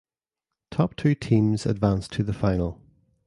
Top two teams advance to the Final.